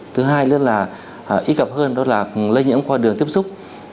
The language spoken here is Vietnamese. thứ hai nữa là ít gặp hơn đó là lây nhiễm qua đường tiếp xúc